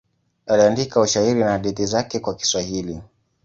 Aliandika ushairi na hadithi zake kwa Kiswahili.